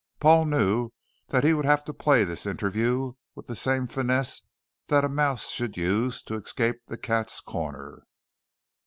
Paul knew that he would have to play this interview with the same finesse that a mouse should use to escape the cat's corner.